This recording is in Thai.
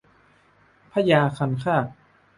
พญาคันคาก